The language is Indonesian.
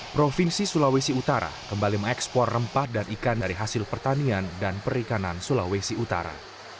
provinsi sulawesi utara kembali mengekspor rempah dan ikan dari hasil pertanian dan perikanan sulawesi utara